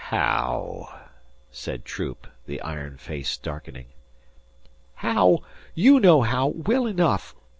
"Haow?" said Troop, the iron face darkening. "How? You know how, well enough.